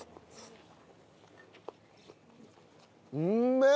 うめえ！